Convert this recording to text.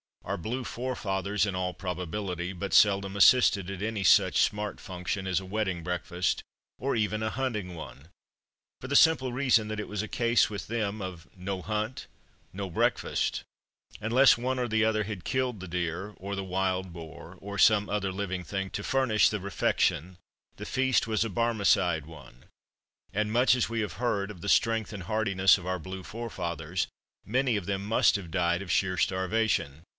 Our blue forefathers, in all probability, but seldom assisted at any such smart function as a wedding breakfast, or even a hunting one; for the simple reason that it was a case with them of, "no hunt, no breakfast." Unless one or other had killed the deer, or the wild boar, or some other living thing to furnish the refection the feast was a Barmecide one, and much as we have heard of the strength and hardiness of our blue forefathers, many of them must have died of sheer starvation.